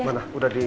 mana udah di